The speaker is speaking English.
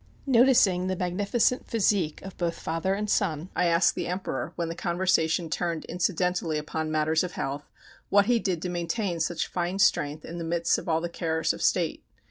Noticing the magnificent physique of both father and son, I asked the Emperor, when the conversation turned incidentally upon matters of health, what he did to maintain such fine strength in the midst of all the cares of State.